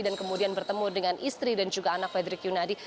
dan kemudian bertemu dengan istri dan juga anak fedrik yunadi